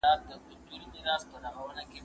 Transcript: زه زدکړه نه کوم؟